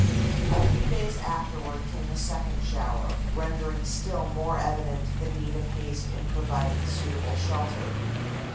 A few days afterward came a second shower, rendering still more evident the need of haste in providing suitable shelter.